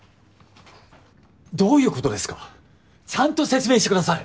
どういうことですかちゃんと説明してください！